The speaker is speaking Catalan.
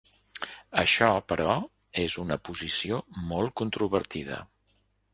Això, però, és una posició molt controvertida.